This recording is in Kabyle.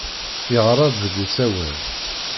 Yeɣra-d deg usawal.